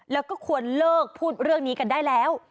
แล้วก็ควรเลิกพูดเรื่องนี้กันได้แล้ว